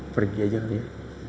pergi aja kali ya